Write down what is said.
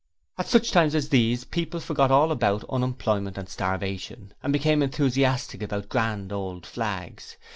At such times these people forgot all about unemployment and starvation, and became enthusiastic about 'Grand old Flags'.